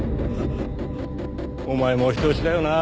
お前もお人よしだよなあ。